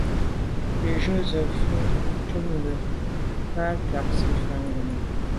Bí jú’ jú zə̄ mvə̌ cúp gí mbə́ fǎ cwɛ̀d mbásì fàá’ ngômnâ’.